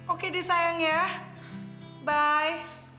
oke deh sayang ya bye